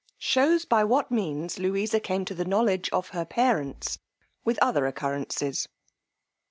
Shews by what means Louisa came to the knowledge of her parents, with other occurrences.